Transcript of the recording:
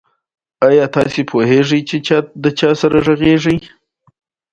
آیا دوی د خپلو حقونو لپاره مبارزه نه کوي؟